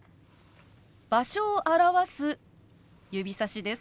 場所を表す指さしです。